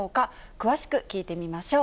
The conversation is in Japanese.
詳しく聞いてみましょう。